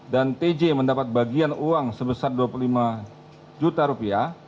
dan tj mendapat bagian uang sebesar rp dua puluh lima